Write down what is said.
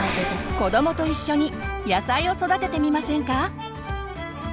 子どもと一緒に野菜を育ててみませんか？